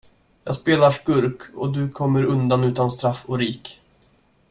Jag spelar skurk och du kommer undan utan straff och rik.